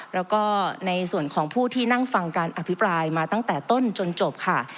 แล้วก็ในส่วนของผู้ที่นั่งฟังการอภิปรายมาตั้งแต่ต้นจนจบค่ะ